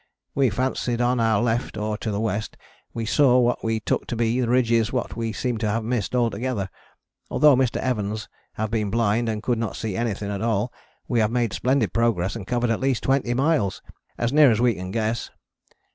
We fancied on our left or to the west we saw what we took to be the ridges what we seem to have missed altogether, although Mr. Evans have been blind and could not see anything at all we have made splendid progress and covered at least 20 miles, as near as we can guess.